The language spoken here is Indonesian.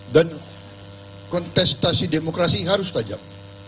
dan kontestasi demokrasi harus tajam